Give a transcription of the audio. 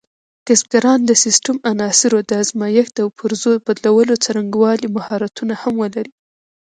کسبګران د سیسټم عناصرو د ازمېښت او پرزو بدلولو څرنګوالي مهارتونه هم ولري.